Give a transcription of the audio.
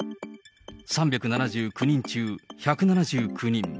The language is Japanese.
３７９人中１７９人。